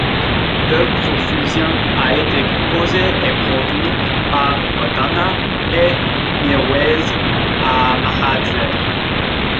Love Profusion a été composé et produit par Madonna et Mirwais Ahmadzaï.